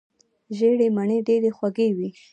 ژیړې مڼې ډیرې خوږې وي.